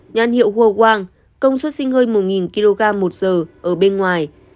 nhan hiệu hô quang công suất sinh hơi một kg một giờ ở bên ngoài